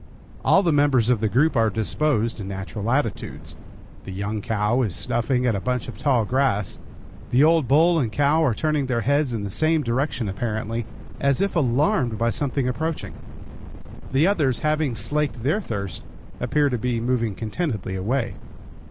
All the members of the group are disposed in natural attitudes. The young cow is snuffing at a bunch of tall grass; the old bull and cow are turning their heads in the same direction apparently, as if alarmed by something approaching; the others, having slaked their thirst, appear to be moving contentedly away.